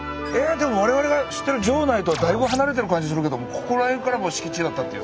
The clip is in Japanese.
でも我々が知ってる城内とはだいぶ離れてる感じするけどもここら辺からもう敷地だったっていう。